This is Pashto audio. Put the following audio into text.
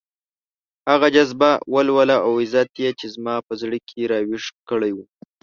هغه جذبه، ولوله او عزت يې چې زما په زړه کې راويښ کړی وو.